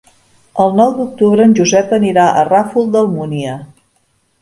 El nou d'octubre en Josep anirà al Ràfol d'Almúnia.